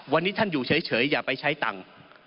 วันนี้ท่านอยู่เฉยอย่าไปใช้ตังค์